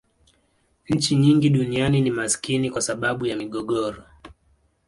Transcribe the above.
nchi nyingi duniani ni maskini kwa sababu ya migogoro